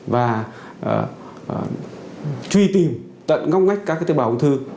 và truy tìm tận ngóc ngách các tế bào ung thư